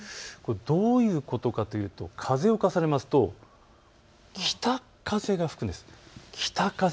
どういうことかというと風を重ねますと北風が吹くんです。